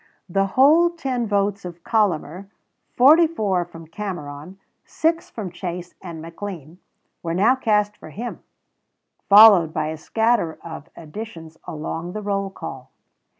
The whole 10 votes of Collamer, 44 from Cameron, 6 from Chase and McLean, were now cast for him, followed by a scatter of additions along the roll call.